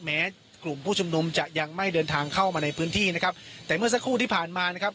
แม้กลุ่มผู้ชุมนุมจะยังไม่เดินทางเข้ามาในพื้นที่นะครับแต่เมื่อสักครู่ที่ผ่านมานะครับ